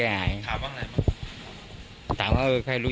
คนตายปุ๊บแล้วมีคนมาลุมดู